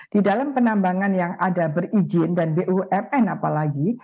di dalam penambangan yang ada berizin dan bumn apalagi